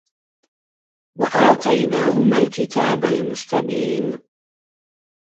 وَآتَيناهُمَا الكِتابَ المُستَبينَ